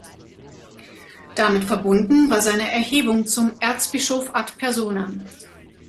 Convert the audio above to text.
Damit verbunden war seine Erhebung zum ""Erzbischof ad personam"".